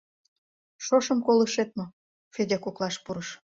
— Шошым колышет мо? — Федя коклаш пурыш.